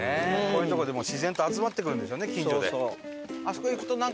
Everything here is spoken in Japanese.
こういう所ってもう自然と集まってくるんでしょうね近所で。